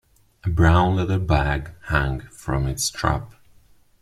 A brown leather bag hung from its strap.